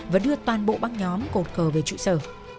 và đưa toàn bộ băng nhóm cột cờ về trụ sở